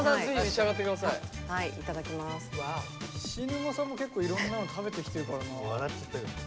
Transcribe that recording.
菱沼さんも結構いろんなの食べてきてるからな。